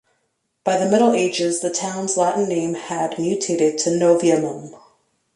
By the Middle Ages, the town's Latin name had mutated to Noviomum.